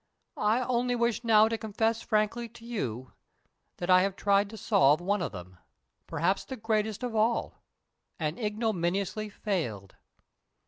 I only wish now to confess frankly to you that I have tried to solve one of them, perhaps the greatest of all, and ignominiously failed.